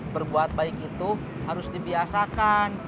berbuat baik itu harus dibiasakan